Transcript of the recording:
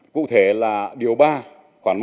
cụ thể là điều ba khoản một